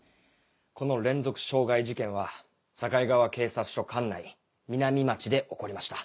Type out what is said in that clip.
この連続傷害事件は境川警察署管内南町で起こりました。